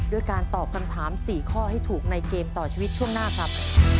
ด้วยการตอบคำถาม๔ข้อให้ถูกในเกมต่อชีวิตช่วงหน้าครับ